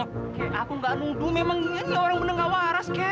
keh aku gak nuduh memang ini orang bener gak waras kek